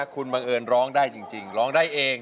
คุณบังเอิญร้องได้จริงร้องได้เอง